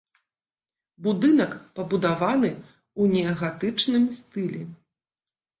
Будынак пабудаваны ў неагатычным стылі.